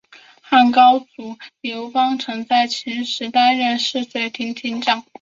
汉高祖刘邦曾在秦时担任泗水亭亭长。